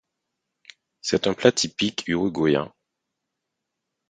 C'est un plat typique uruguayen.